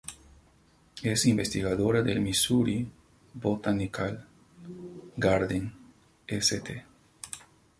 Es investigadora del "Missouri Botanical Garden", St.